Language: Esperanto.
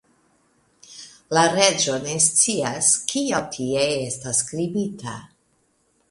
La reĝo ne scias, kio tie estas skribita!